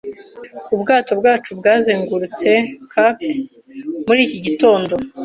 Ubwato bwacu bwazengurutse cape muri iki gitondo.